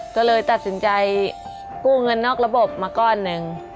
ก็เลยตัดสินใจกู้เงินนอกระบบมาก้อนหนึ่ง